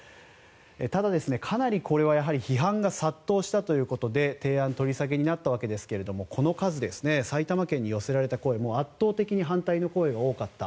ただこれは批判が殺到したということで提案取り下げになったわけですが埼玉県に寄せられた数圧倒的に反対の声が多かった。